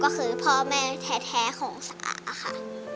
ก็คือพ่อแม่แท้ของสาค่ะ